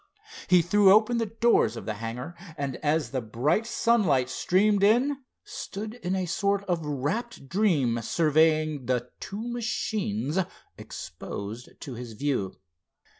He threw open the doors of the hangar, and, as the bright sunlight streamed in, stood in a sort of rapt dream surveying the two machines exposed to his view.